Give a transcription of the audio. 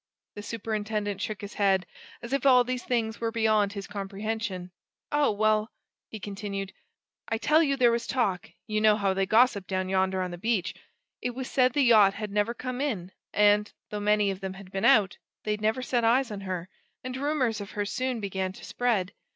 The superintendent shook his head, as if all these things were beyond his comprehension. "Oh, well!" he continued. "I tell you there was talk you know how they gossip down yonder on the beach. It was said the yacht had never come in, and, though many of them had been out, they'd never set eyes on her, and rumours of her soon began to spread.